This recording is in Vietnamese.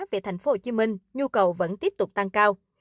về thành phố hồ chí minh nhu cầu vẫn tiếp tục tăng cao